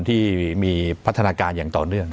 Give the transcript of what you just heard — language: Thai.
ที่มีพัฒนาการอย่างต่อเนื่อง